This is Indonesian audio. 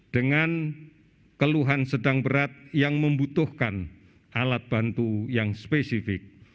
dengan keluhan sedang berat yang membutuhkan alat bantu yang spesifik